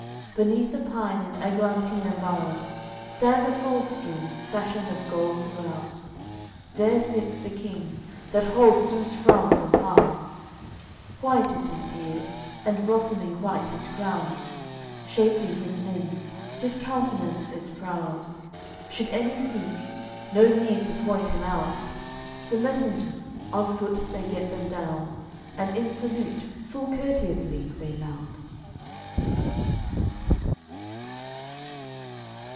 Beneath a pine, in eglantine embow'red, l Stands a fald stool, fashioned of gold throughout; There sits the King, that holds Douce France in pow'r; White is his beard, and blossoming white his crown, Shapely his limbs, his countenance is proud. Should any seek, no need to point him out. The messengers, on foot they get them down, And in salute full courteously they lout.